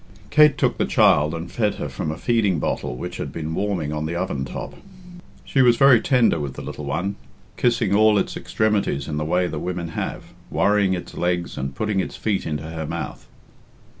Kate took the child and fed her from a feeding bottle which had been warming on the oven top. She was very tender with the little one, kissing all its extremities in the way that women have, worrying its legs, and putting its feet into her mouth.